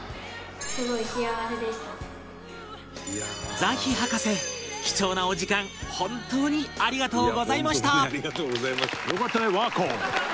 ザヒ博士、貴重なお時間本当にありがとうございました